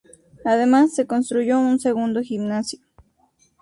Además, se construyó un segundo gimnasio.